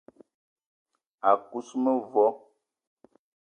A kuz mevo